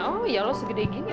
oh ya lo segede gini